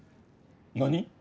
何？